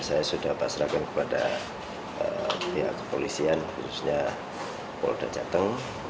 saya sudah pasrahkan kepada pihak kepolisian khususnya polda jateng